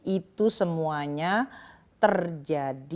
itu semuanya terjadi